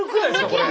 これ。